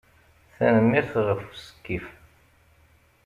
Tanemmirt ɣef usekkif.